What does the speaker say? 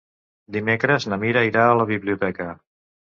Dimecres na Mira irà a la biblioteca.